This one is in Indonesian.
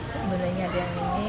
sebetulnya ada yang ini